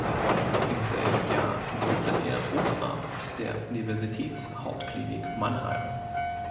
Im selben Jahr wurde er Oberarzt der Universitätshautklinik Mannheim.